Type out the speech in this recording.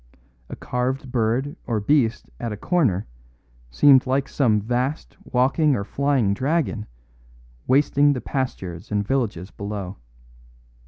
A carved bird or beast at a corner seemed like some vast walking or flying dragon wasting the pastures and villages below.